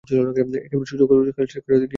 একেবারে শূলি কাষ্ঠের গোড়ায় গিয়ে থামল।